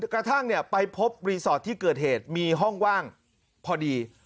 กระทั่งไปพบรีสอร์ทที่เกิดเหตุมีห้องว่างพอดี